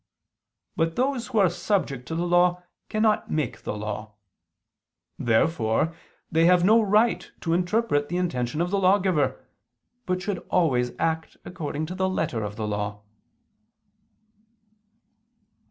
But those who are subject to the law cannot make the law. Therefore they have no right to interpret the intention of the lawgiver, but should always act according to the letter of the law.